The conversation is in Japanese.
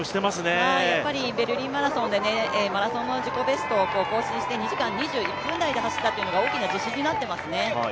やっぱりベルリンマラソンでマラソンの自己ベストを更新して２時間２１分台で走ったというのが大きな自信になってますね。